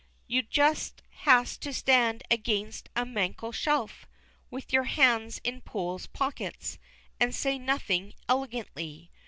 You just has to stand against a mankel shelf, with your hands in Poole's pockets, and say nothing elegantly.